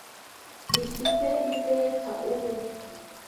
Ifite: Iteka, ube